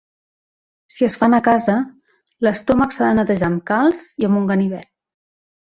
Si es fan a casa, l'estómac s'ha de netejar amb calç i amb un ganivet.